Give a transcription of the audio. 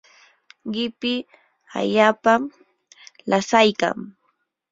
qipi allaapam lasaykan.